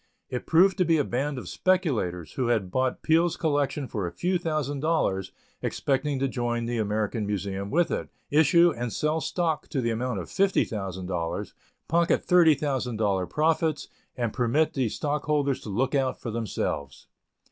It proved to be a band of speculators who had bought Peale's collection for a few thousand dollars, expecting to join the American Museum with it, issue and sell stock to the amount of $50,000, pocket $30,000 profits, and permit the stockholders to look out for themselves.